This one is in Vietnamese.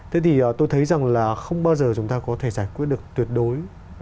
thế thì tôi thấy rằng là không bao giờ chúng ta có thể giải quyết được tuyệt đối